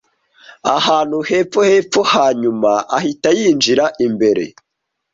ahantu hepfo hepfo, hanyuma ahita yinjira imbere